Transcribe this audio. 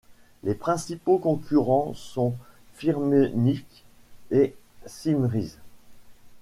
Les principaux concurrents sont Firmenich et Symrise.